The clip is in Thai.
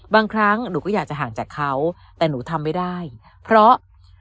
บางครั้งหนูก็อยากจะห่างจากเขาแต่หนูทำไม่ได้เพราะ